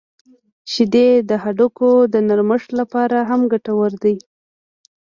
• شیدې د هډوکو د نرمښت لپاره هم ګټورې دي.